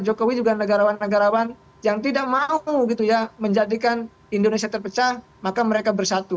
jokowi juga negarawan negarawan yang tidak mau gitu ya menjadikan indonesia terpecah maka mereka bersatu